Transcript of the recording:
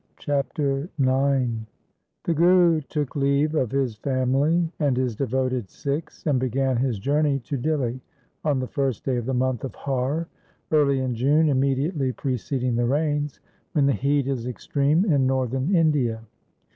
Chapter IX The Guru took leave of his family and his devoted Sikhs, and began his journey to Dihli on the first day of the month of Har — early in June immediately preceding the rains — when the heat is extreme in northern India.